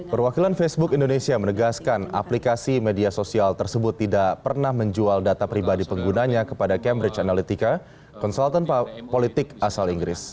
perwakilan facebook indonesia menegaskan aplikasi media sosial tersebut tidak pernah menjual data pribadi penggunanya kepada cambridge analytica konsultan politik asal inggris